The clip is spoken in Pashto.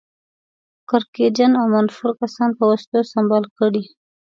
کرکجن او منفور کسان په وسلو سمبال کړي.